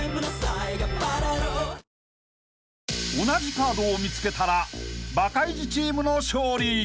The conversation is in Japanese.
［同じカードを見つけたらバカイジチームの勝利］